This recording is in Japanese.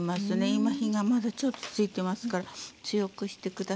今火がまだちょっとついてますから強くして下さる？